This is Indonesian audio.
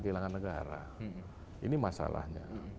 kehilangan negara ini masalahnya